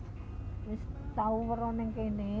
terus tau meroneng ke ini